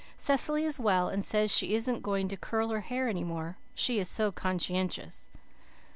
Cecily is well and says she isn't going to curl her hair any more. She is so conscienshus.